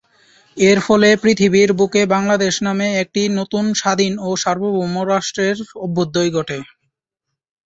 এর ফলে পৃথিবীর বুকে বাংলাদেশ নামে একটি নতুন স্বাধীন ও সার্বভৌম রাষ্ট্রের অভ্যুদয় ঘটে।